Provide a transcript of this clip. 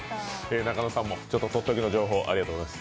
中野さんもとっておきの情報ありがとうございます。